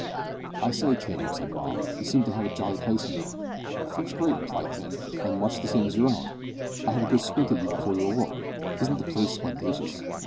"I say, Tim," said Bob, "you seem to have a jolly place in there." "First rate," replied Tim, "an' much the same as your own. I had a good squint at you before you awoke. Isn't the place splendacious?"